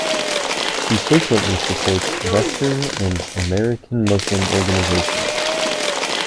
He frequently supports Western and American Muslim organizations.